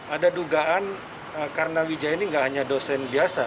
ada dugaan karna wijaya ini tidak hanya dosen biasa